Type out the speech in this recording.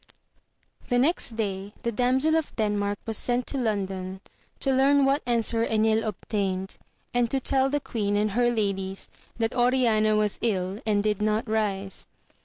I HE next day the damsel of Denmark was sent to London to learn what answer Enil obtained, and to tell the queen and her ladies that Oriana was ill, and did not rise.